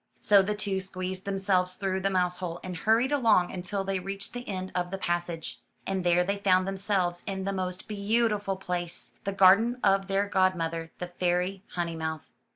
So the two squeezed themselves through the mouse hole and hurried along until they reached the end of the passage. And there they found themselves in the most beautiful place — the garden of their god mother, the Fairy Honeymouth.